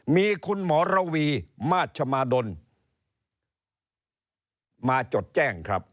มีคุณหมอระวีมาชมาดลมาจดแจ้งครับ